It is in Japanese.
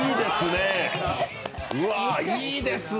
わぁ、いいですね！